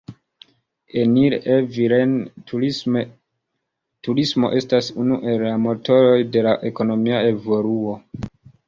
En Ille-et-Vilaine, turismo estas unu el la motoroj de la ekonomia evoluo.